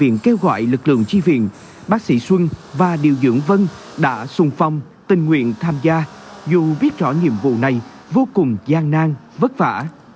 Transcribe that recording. ngoại lực lượng tri viện bác sĩ xuân và điều dưỡng vân đã xung phong tình nguyện tham gia dù biết rõ nhiệm vụ này vô cùng gian nang vất vả